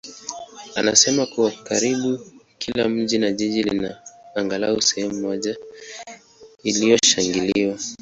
anasema kuwa karibu kila mji na jiji lina angalau sehemu moja iliyoshangiliwa.